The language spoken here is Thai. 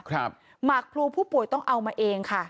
หมากพลูผู้ป่วยต้องเอามาเองค่ะ